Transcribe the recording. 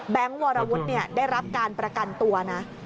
แบงค์วารวุฒิ์ได้รับการประกันตัวนะ